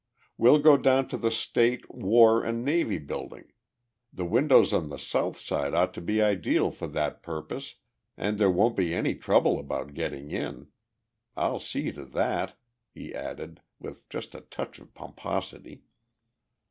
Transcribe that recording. "We'll go down to the State, War, and Navy Building. The windows on the south side ought to be ideal for that purpose and there won't be any trouble about getting in. I'll see to that," he added, with just a touch of pomposity.